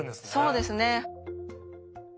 そうですね。